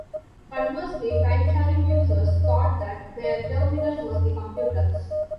Conversely, timesharing users thought that their terminal was the computer.